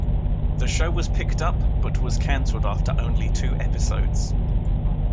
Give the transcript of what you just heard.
The show was picked up, but was canceled after only two episodes.